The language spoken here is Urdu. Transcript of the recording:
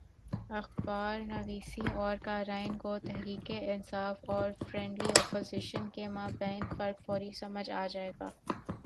اخبارنویسوں اور قارئین کو تحریک انصاف اور فرینڈلی اپوزیشن کے مابین فرق فوری سمجھ آ جائے گا۔